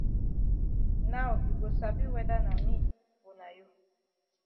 Now you go sabi whether na me o na you.